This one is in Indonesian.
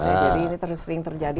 jadi ini sering terjadi